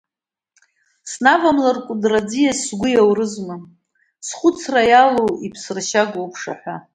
Снавамлар, Кәыдры аӡиас, сгәы иаурызма, схәыцра иалоу, иԥсыршьагоу уԥшаҳәа.